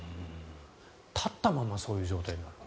立ったままそういう状態になる。